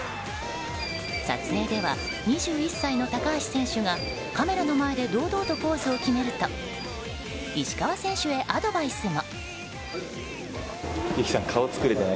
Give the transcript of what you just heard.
撮影では２１歳の高橋選手がカメラの前で堂々とポーズを決めると石川選手へアドバイスも。